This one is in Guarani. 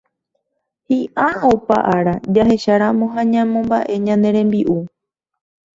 Hi'ã opa ára jahecharamo ha ñamomba'e ñane rembi'u